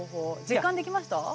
実感できました？